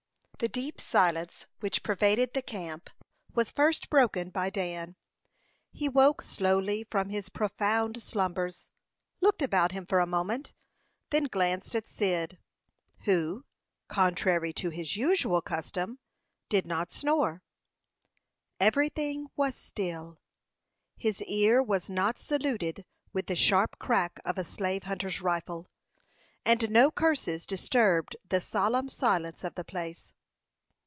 The deep silence which pervaded the camp was first broken by Dan. He woke slowly from his profound slumbers, looked about him for a moment, then glanced at Cyd, who, contrary to his usual custom, did not snore. Every thing was still; his ear was not saluted with the sharp crack of a slave hunter's rifle, and no curses disturbed the solemn silence of the place.